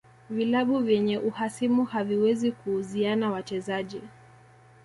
Vilabu vyenye uhasimu haviwezi kuuziana wachezaji